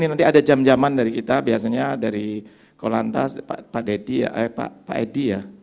ini nanti ada jam jaman dari kita biasanya dari korlantas pak edi ya